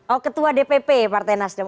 oh ketua dpp partai nasdem